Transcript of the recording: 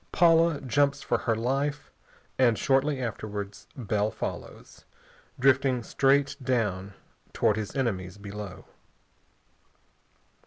Paula jumps for her life, and shortly afterwards Bell follows, drifting straight down towards his enemies below.